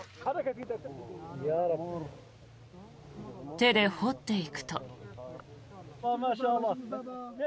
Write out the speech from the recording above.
手で掘っていくと。